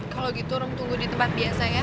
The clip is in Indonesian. kalau gitu rum tunggu di tempat biasa ya